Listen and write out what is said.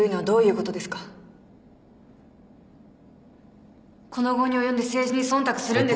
この期に及んで政治に忖度するんです。